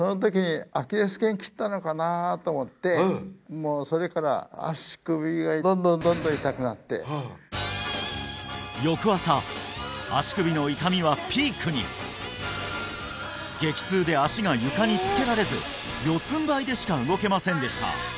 もうそれから翌朝足首の痛みはピークに激痛で足が床につけられず四つんばいでしか動けませんでした